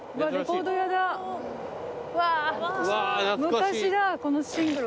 昔だこのシングル。